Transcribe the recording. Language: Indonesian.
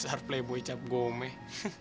aturkan ke kebootlulu maah